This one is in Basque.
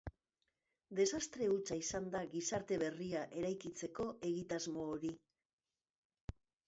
Desastre hutsa izan da gizarte berria eraikitzeko egitasmo hori.